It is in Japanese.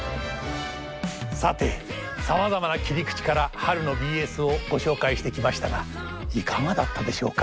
さてさまざまな切り口から春のＢＳをご紹介してきましたがいかがだったでしょうか。